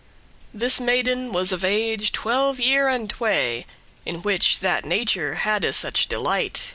This maiden was of age twelve year and tway,* *two In which that Nature hadde such delight.